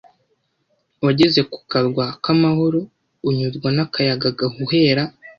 Wageze ku Karwa k’Amahoro unyurwa n’akayaga gahuhera